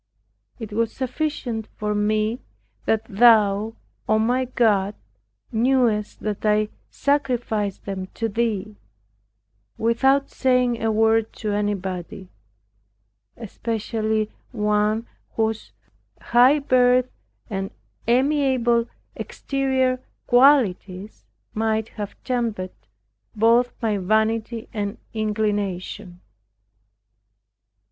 It was sufficient for me that Thou, O my God, knewest that I sacrificed them to Thee, (without saying a word to anybody) especially one whose high birth and amiable exterior qualities might have tempted both my vanity and inclination.